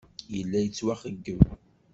Yella yettwaxeyyeb.